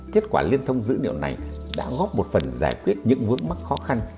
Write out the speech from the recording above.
kết quả liên thông dữ liệu này đã góp một phần giải quyết những vướng mắc khó khăn